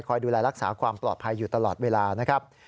ดูแลรักษาความปลอดภัยอยู่ตลอดเวลานะครับ